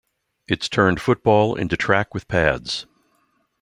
It's turned football into track with pads.